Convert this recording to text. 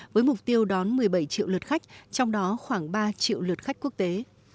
với mục tiêu đón một mươi bảy triệu lượt khách trong đó khoảng ba triệu lượt khách quốc tế